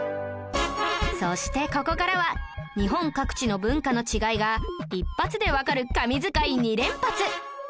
そしてここからは日本各地の文化の違いが一発でわかる神図解２連発